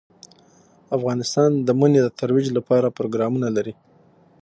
افغانستان د منی د ترویج لپاره پروګرامونه لري.